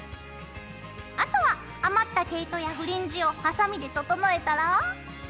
あとは余った毛糸やフリンジをハサミで整えたら。